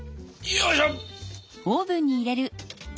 よいしょ。